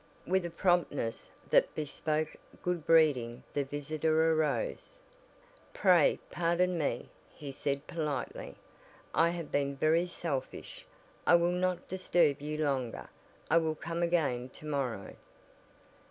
With a promptness that bespoke good breeding the visitor arose. "Pray pardon me," he said politely. "I have been very selfish. I will not disturb you longer. I will come again to morrow."